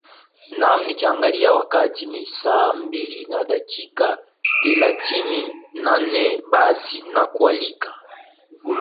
naam nikiangalia wakati ni saa mbili na dakika thelathini na nne basi nakualika